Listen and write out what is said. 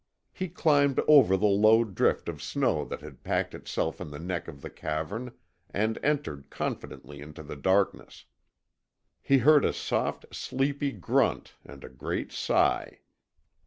He climbed over the low drift of snow that had packed itself in the neck of the cavern and entered confidently into the darkness. He heard a soft, sleepy grunt and a great sigh.